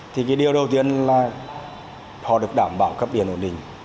thì cái điều đầu tiên là họ được đảm bảo cấp điện ổn định